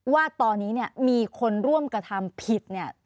ว่าตอนนี้เนี่ยมีคนร่วมกระทำผิดเนี่ย